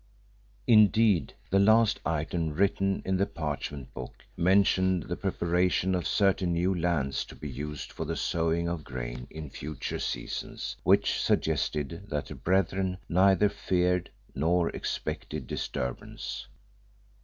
Indeed, the last item written in the parchment book mentioned the preparation of certain new lands to be used for the sowing of grain in future seasons, which suggested that the brethren neither feared nor expected disturbance.